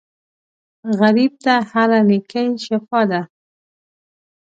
غریب ته هره نېکۍ شفاء ده